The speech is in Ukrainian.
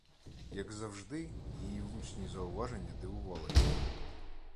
Як завжди, її влучні зауваження дивували його.